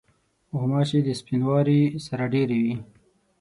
غوماشې د سپینواري سره ډېری وي.